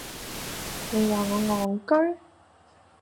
你話我戇居？